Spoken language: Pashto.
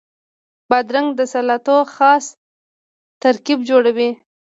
بادرنګ د سلاتو خاص ترکیب جوړوي.